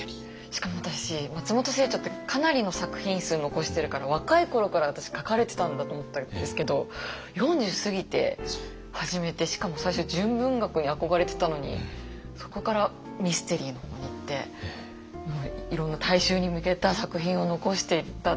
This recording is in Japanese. しかも私松本清張ってかなりの作品数残してるから若い頃から私書かれてたんだと思ったんですけど４０過ぎて始めてしかも最初純文学に憧れてたのにそこからミステリーの方にいっていろんな大衆に向けた作品を残していった。